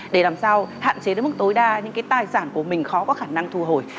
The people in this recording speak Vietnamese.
để làm sao hạn chế đến mức tối đa những cái tài sản của mình khó có khả năng thu hồi